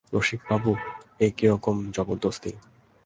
রসিকবাবু, এ কিরকম জবর্দস্তি?